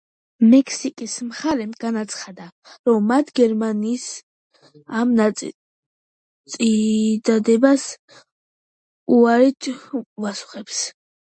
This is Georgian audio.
მექსიკის მხარემ განაცხადა, რომ მათ გერმანიის ამ წინადადებას უარით უპასუხეს.